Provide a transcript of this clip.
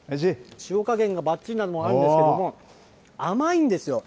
塩加減がばっちりなのもあるんですけれども、甘いんですよ。